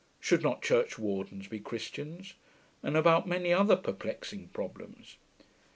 'Should not churchwardens be Christians?' and about many other perplexing problems.